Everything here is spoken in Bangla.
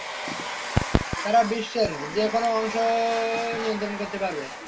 তারা বিশ্বের যে কোনো অংশ নিয়ন্ত্রণ করতে পারবে।